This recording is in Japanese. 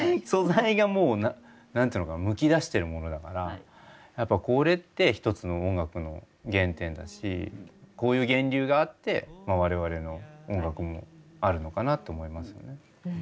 素材がもう何ていうのかなむき出してるものだからやっぱこれって一つの音楽の原点だしこういう源流があって我々の音楽もあるのかなと思いますよね。